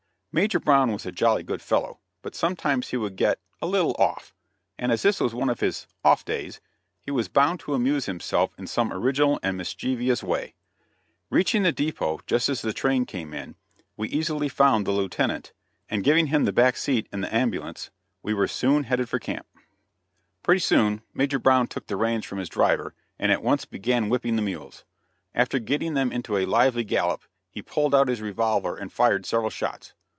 Major Brown was a jolly good fellow, but sometimes he would get "a little off," and as this was one of his "off days" he was bound to amuse himself in some original and mischievous way. Reaching the dépôt just as the train came in, we easily found the Lieutenant, and giving him the back seat in the ambulance we were soon headed for camp. Pretty soon Major Brown took the reins from his driver, and at once began whipping the mules. After getting them into a lively gallop he pulled out his revolver and fired several shots.